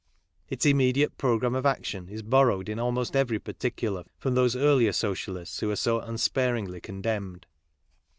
Its immediate programme of action is borrowed in almost everyi particular from those earlier Socialists who are so un i sparingly condemned.